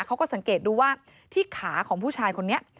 เขาก็สังเกตดูว่าที่ขาของผู้ชายคนนี้